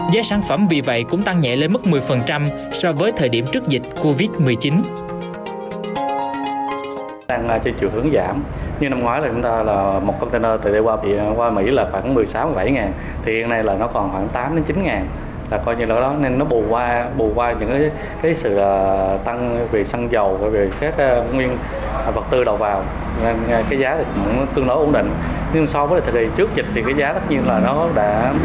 giá sản phẩm vì vậy cũng tăng nhẹ lên mức một mươi so với thời điểm trước dịch covid một mươi chín